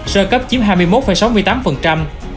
sơ cấp chiếm hai mươi một sáu mươi tám